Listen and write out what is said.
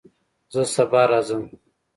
زه سبا راځم